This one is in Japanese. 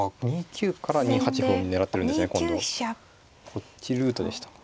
こっちルートでしたか。